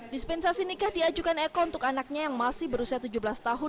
dispensasi nikah diajukan eko untuk anaknya yang masih berusia tujuh belas tahun